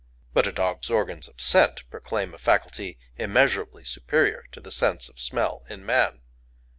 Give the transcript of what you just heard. But a dog's organs of scent proclaim a faculty immeasurably superior to the sense of smell in man.